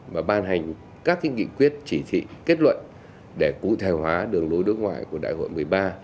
và ban hành các nghị quyết chỉ thị kết luận để cụ thể hóa đường lối đối ngoại của đại hội một mươi ba